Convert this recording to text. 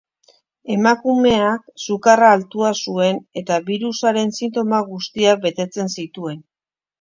Emakumeak sukarra altua zuen eta birusaren sintoma guztiak betetzen zituen.